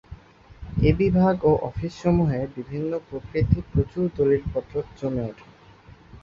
এ বিভাগ ও অফিসসমূহে বিভিন্ন প্রকৃতির প্রচুর দলিলপত্র জমে ওঠে।